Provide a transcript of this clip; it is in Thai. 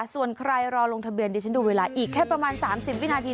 ส่วนใครรอลงทะเบียนดิฉันดูเวลาอีกแค่ประมาณ๓๐วินาที